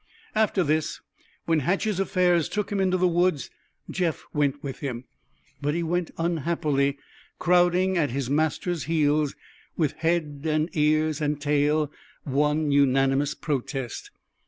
After this, when Hatch's affairs took him into the woods, Jeff went with him. But he went unhappily, crowding at his master's heels, with head and ears and tail one unanimous protest.